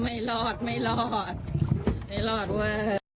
เออไม่รอดไม่รอดไม่รอดเว้ย